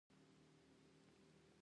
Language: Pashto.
همېشه د خپل ځان څخه پوښتني وکړئ.